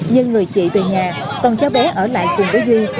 nhưng người chị về nhà còn cháu bé ở lại cùng với duy